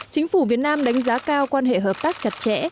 chính phủ việt nam đánh giá cao quan hệ hợp tác chặt chẽ